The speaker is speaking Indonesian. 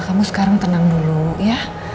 kamu sekarang tenang dulu ya